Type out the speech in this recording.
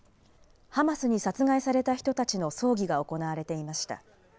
ハマスに殺害された人たちの葬儀が行われていました。